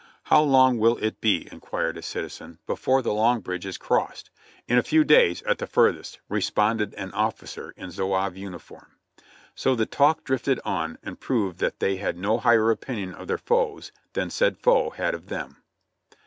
"How long will it be," inquired a citi PUBUC OPINION ON BOTH SIDES 35 zen, "before the Long Bridge is crossed?" "In a few days at the furthest," responded an officer in zouave uniform. So the talk drifted on, and proved that they had no higher opin ion of their foes than said foe had of them.